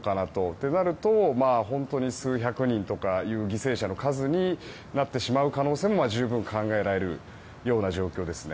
となると、本当に数百人とかっていう犠牲者の数になってしまう可能性も十分考えられるような状況ですね。